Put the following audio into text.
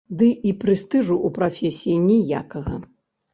Ды і прэстыжу ў прафесіі ніякага.